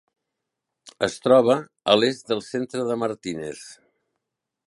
Es troba a l'est del centre de Martinez.